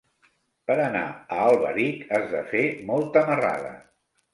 Per anar a Alberic has de fer molta marrada.